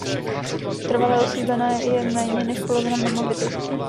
Trvale osídlena je méně než polovina nemovitostí.